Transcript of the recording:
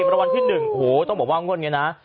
ราวร์ณที่๑ฐานต้องบอกว่างว่างแบบนี้นะ